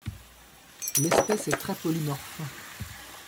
L'espèce est très polymorphe.